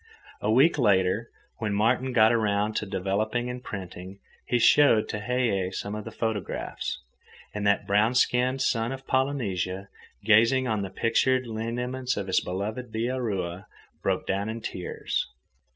A week later, when Martin got around to developing and printing, he showed Tehei some of the photographs. And that brown skinned son of Polynesia, gazing on the pictured lineaments of his beloved Bihaura broke down in tears.